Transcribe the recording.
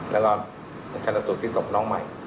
และระชันตี้สกน้องใหม่